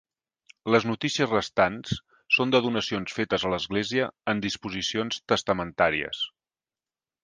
Les notícies restants són de donacions fetes a l'església en disposicions testamentàries.